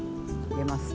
入れます。